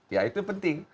ya itu penting